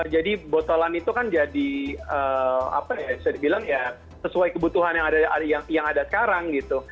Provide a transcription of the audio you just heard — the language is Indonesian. jadi botolan itu kan jadi apa ya bisa dibilang ya sesuai kebutuhan yang ada sekarang gitu